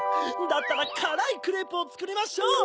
だったらからいクレープをつくりましょう！